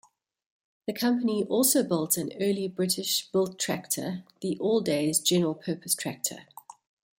The company also built an early British built tractor, the "Alldays General Purpose Tractor".